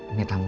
ini tamu suami